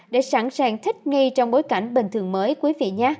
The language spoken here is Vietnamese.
để sẵn sàng thích nghi trong bối cảnh bình thường mới